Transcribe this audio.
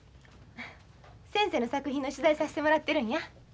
先生の作品の取材さしてもらってるんや。